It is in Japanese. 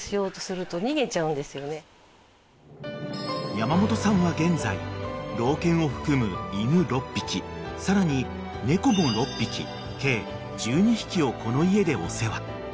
［山本さんは現在老犬を含む犬６匹さらに猫も６匹計１２匹をこの家でお世話］